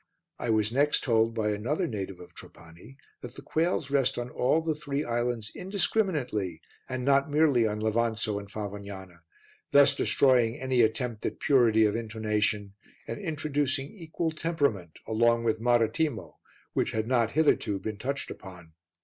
I was next told by another native of Trapani that the quails rest on all the three islands indiscriminately and not merely on Levanzo and Favognana, thus destroying any attempt at purity of intonation and introducing equal temperament along with Marettimo, which had not hitherto been touched upon.